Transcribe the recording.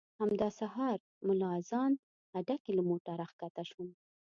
همدا سهار ملا اذان اډه کې له موټره ښکته شوم.